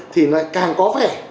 thì nó càng có vẻ